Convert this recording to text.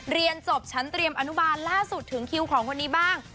เรียนจบชั้นเตรียมอนุบาลล่าสุดถึงคิวของคนนี้บ้าง